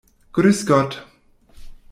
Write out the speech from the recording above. Grüß Gott!